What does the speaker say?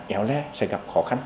éo le sẽ gặp khó khăn